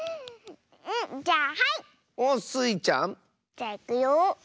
じゃいくよ。